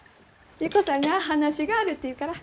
優子さんが話があるって言うから。